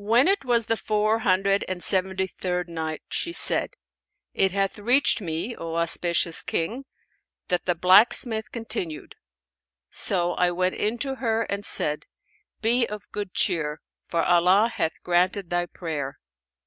When it was the Four Hundred and Seventy third Night, She said, It hath reached me, O auspicious King, that the blacksmith continued: "So I went in to her and said, 'Be of good cheer, for Allah hath granted thy prayer!'